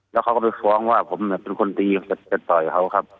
แล้วเขาก็ไปฟ้องว่าผมเป็นคนตีจะต่อยเขาครับ